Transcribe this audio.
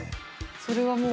それはもう。